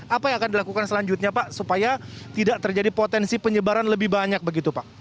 apa yang akan dilakukan selanjutnya pak supaya tidak terjadi potensi penyebaran lebih banyak begitu pak